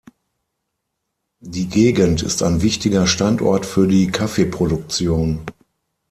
Die Gegend ist ein wichtiger Standort für die Kaffeeproduktion.